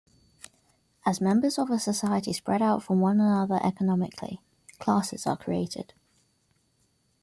As members of a society spread out from one another economically, classes are created.